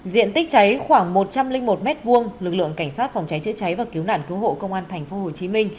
diện tích cháy khoảng một trăm linh một m hai lực lượng cảnh sát phòng cháy chữa cháy và cứu nạn cứu hộ công an tp hcm